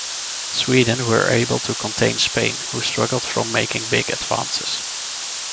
Sweden were able to contain Spain who struggled from making big advances.